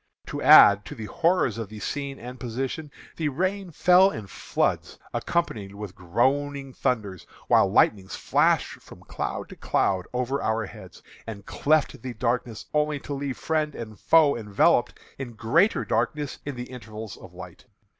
To add to the horrors of the scene and position, the rain fell in floods, accompanied with groaning thunders, while lightnings flashed from cloud to cloud over our heads, and cleft the darkness only to leave friend and foe enveloped in greater darkness in the intervals of light.